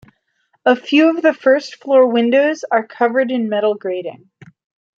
A few of the first floor windows are covered in metal grating.